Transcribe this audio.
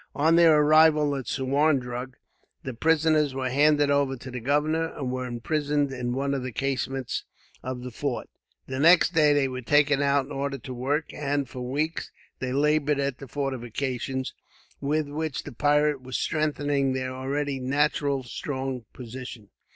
On their arrival at Suwarndrug, the prisoners were handed over to the governor, and were imprisoned in one of the casemates of the fort. The next day, they were taken out and ordered to work; and, for weeks, they laboured at the fortifications, with which the pirates were strengthening their already naturally strong position.